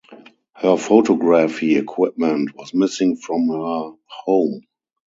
Her photography equipment was missing from her home.